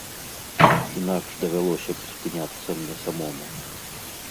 Інакш давялося б спыняцца мне самому.